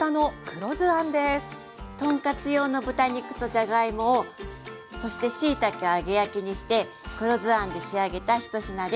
豚カツ用の豚肉とじゃがいもをそしてしいたけを揚げ焼きにして黒酢あんで仕上げた一品です。